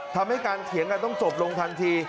ทำให้การเถียงกันต้องจบลงทันที